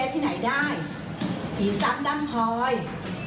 ที่ใดโลกหิว